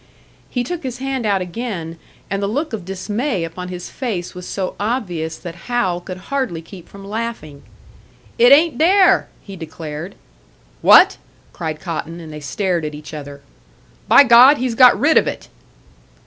He took his hand out again, and the look of dismay upon his face was so obvious that Hal could hardly keep from laughing. "It ain't dere!" he declared. "What?" cried Cotton, and they stared at each other. "By God, he's got rid of it!"